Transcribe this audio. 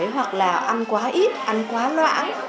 hoặc là ăn quá ít ăn quá lãng